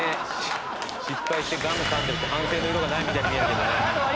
失敗してガム噛んでると反省の色がないみたいに見えるけどね。